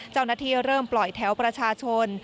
เจ้าหน้าที่เริ่มปล่อยแถวประชาชน